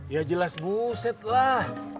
ya jelas buset lah